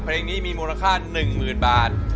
เพลงนี้มีมูลค่าหนึ่งหมื่นบาท